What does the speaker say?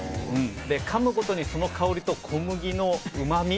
かむごとにその香りと小麦のうまみ